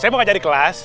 saya mau keajari kelas